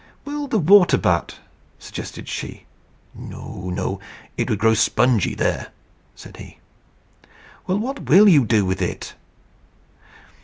"Well, the water butt," suggested she. "No, no; it would grow spongy there," said he. "Well, what will you do with it?"